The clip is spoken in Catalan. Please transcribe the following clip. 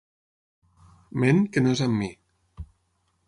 Ment que no és amb mi.